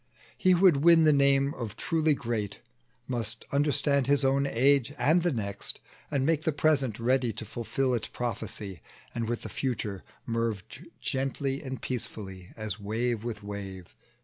He who would win the name of truly great Must understand his own age and the next, And make the present ready to fulfil Its prophecy, and with the future merge Gently and peacefully, as wave with wave.